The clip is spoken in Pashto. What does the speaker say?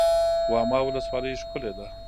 واما ولسوالۍ ښکلې ده؟